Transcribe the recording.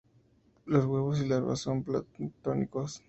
Los huevos y larvas son planctónicos.